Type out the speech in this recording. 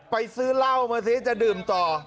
ไปซื้อเล่ามันสิจะดื่มต่อ